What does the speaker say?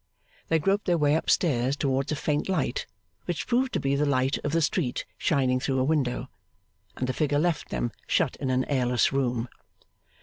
They groped their way up stairs towards a faint light, which proved to be the light of the street shining through a window; and the figure left them shut in an airless room.